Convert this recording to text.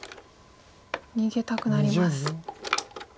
逃げたくなります。